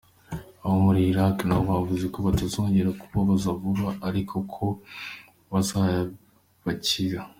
Abo muri Irak na ho bavuze ko batazongera kubabaza vuba, ariko ko bazabakira.